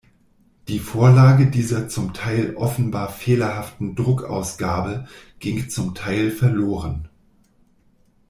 Die Vorlage dieser zum Teil offenbar fehlerhaften Druckausgabe ging zum Teil verloren.